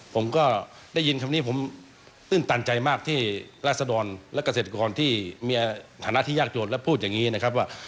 ผมก็ได้ยินคำนี้ผมตื้นตันใจมากที่ราศดรและเกษตรกรที่มีฐานะที่ยากจนและพูดอย่างนี้นะครับว่า